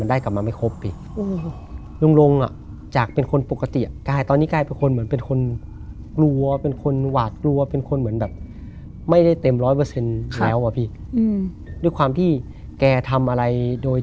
โดยที่เป็นเขาเรียกว่าอะไร